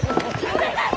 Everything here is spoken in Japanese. お願い！